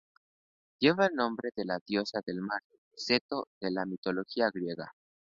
Lleva el nombre de la diosa del mar Ceto, de la mitología griega.